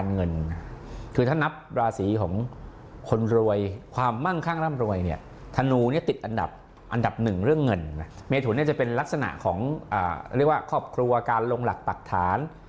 เรียกว่าครอบครัวการลงหลักปรักฐาน